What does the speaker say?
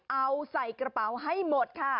เอาใส่กระเป๋าให้หมดค่ะ